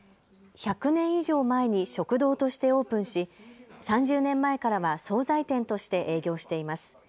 １００年以上前に食堂としてオープンし３０年前からは総菜店として営業しています。